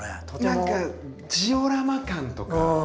何かジオラマ感とか。